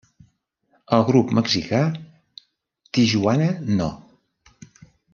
El grup mexicà Tijuana No!